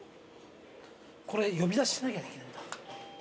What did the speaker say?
これ呼び出ししなきゃいけないんだ。